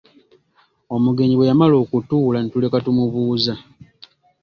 Omugenyi bwe yamala okutuula ne tulyoka tumubuuza.